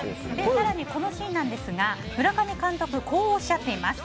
更に、このシーンなんですが村上監督はこうおっしゃっています。